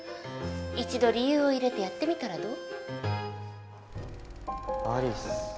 一度理由を入れてやってみたらどう？